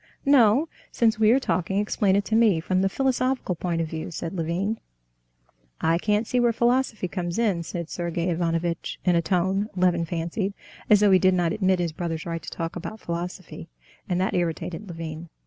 "No; since we are talking, explain it to me from the philosophical point of view," said Levin. "I can't see where philosophy comes in," said Sergey Ivanovitch, in a tone, Levin fancied, as though he did not admit his brother's right to talk about philosophy. And that irritated Levin.